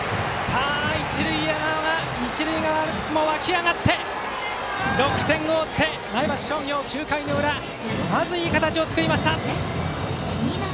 一塁側アルプスも沸き上がって６点を追って、前橋商業９回の裏まず、いい形を作りました。